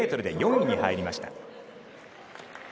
５０００ｍで４位に入りました。